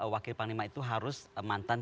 wakil panglima itu harus mantan